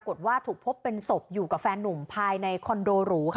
พบว่าถูกพบเป็นศพอยู่กับแฟนนุ่มภายในคอนโดหรูค่ะ